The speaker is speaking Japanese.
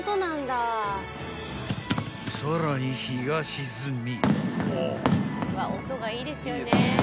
［さらに日が沈み］